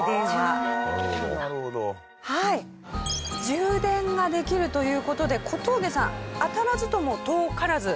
充電ができるという事で小峠さん当たらずとも遠からず。